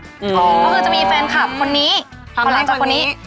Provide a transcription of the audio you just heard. ก็คือจะมีแฟนคลับคนนี้คนหลังจากคนนี้